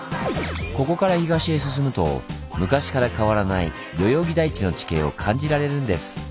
ここから東へ進むと昔から変わらない代々木台地の地形を感じられるんです。